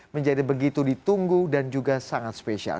menjadi begitu ditunggu dan juga sangat spesial